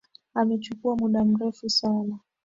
Amechukua muda mrefu sana.